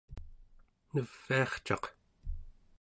neviarcaq